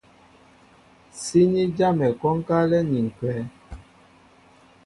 Síní jámɛ kwónkálɛ́ ni ǹkwɛ̌.